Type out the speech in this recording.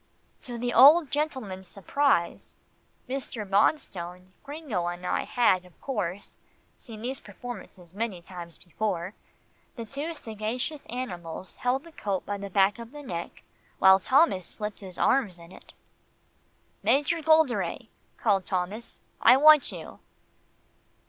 To the old gentleman's surprise Mr. Bonstone, Gringo and I had, of course, seen these performances many times before the two sagacious animals held the coat by the back of the neck, while Thomas slipped his arms in it. "Major Golderay," called Thomas, "I want you."